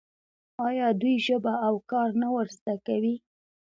آیا دوی ژبه او کار نه ور زده کوي؟